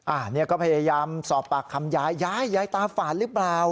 อันนี้ก็พยายามสอบปากคำยายยายยายตาฝาดหรือเปล่า